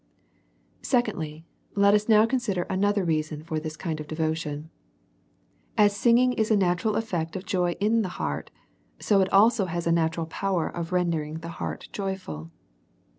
Secondly, Let us now consider another reason for this kind of devotion. As sing'ing is a natural effect of joy in the heart, so it has also a natural power of rendering the heart joyful.